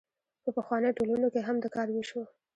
په پخوانیو ټولنو کې هم د کار ویش و.